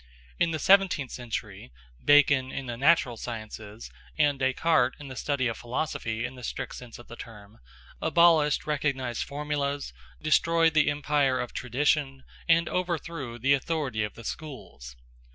In the seventeenth century, Bacon in the natural sciences, and Descartes in the study of philosophy in the strict sense of the term, abolished recognized formulas, destroyed the empire of tradition, and overthrew the authority of the schools.